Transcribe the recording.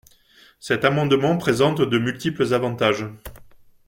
Cet amendement présente de multiples avantages.